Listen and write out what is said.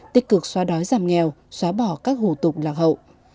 tích cực xóa đói giảm nghèo xóa bỏ các hủ tục lạc hậu